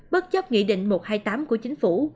bất chấp nghị định một trăm hai mươi tám của chính phủ